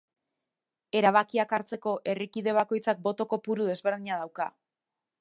Erabakiak hartzeko, herrikide bakoitzak boto kopuru desberdina dauka.